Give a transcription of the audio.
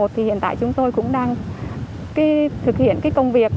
thì hiện tại chúng tôi cũng đang thực hiện cái công việc